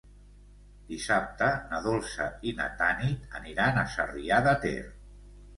Dissabte na Dolça i na Tanit aniran a Sarrià de Ter.